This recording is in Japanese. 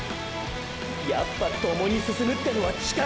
やっぱ共に進むってのは力だ！！